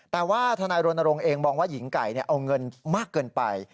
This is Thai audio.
แต่ว่าทนายรณรงค์เองมองว่าหญิงไก่เอาเงินมากเกินไป